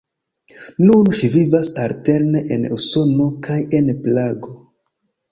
Nun ŝi vivas alterne en Usono kaj en Prago.